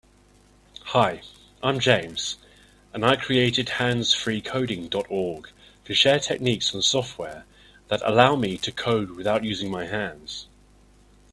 Hi, I'm James, and I created handsfreecoding.org to share techniques and software that allow me to code without using my hands.